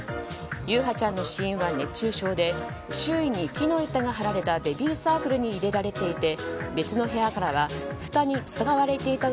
優陽ちゃんの死因は熱中症で周囲に木の板が張られたベビーサークルに入れられていて別の部屋からはふたに使われていた